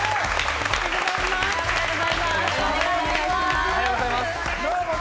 おはようございます！